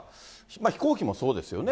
飛行機もそうですよね。